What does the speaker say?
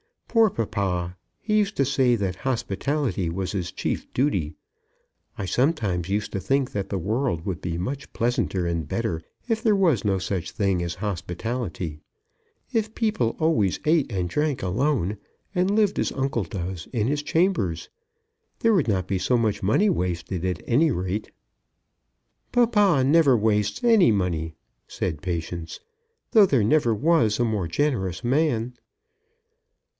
Poor papa! He used to say that hospitality was his chief duty. I sometimes used to think that the world would be much pleasanter and better if there was no such thing as hospitality; if people always eat and drank alone, and lived as uncle does, in his chambers. There would not be so much money wasted, at any rate." "Papa never wastes any money," said Patience, "though there never was a more generous man."